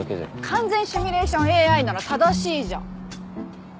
完全シミュレーションＡＩなら正しいじゃん。